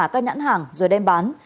và các nhãn hàng rồi đem bán